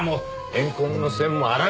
怨恨の線も洗う！